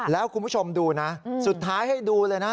แล้วคุณผู้ชมดูนะสุดท้ายให้ดูเลยนะ